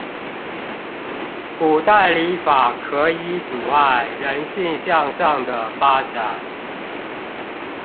古代禮法可以阻礙人性向上的發展